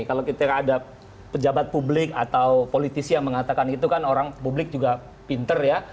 kalau kita ada pejabat publik atau politisi yang mengatakan itu kan orang publik juga pinter ya